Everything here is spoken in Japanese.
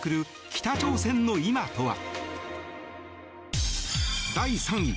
北朝鮮の今とは。